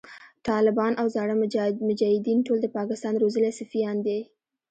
ټالبان او زاړه مجایدین ټول د پاکستان روزلی سفیان دی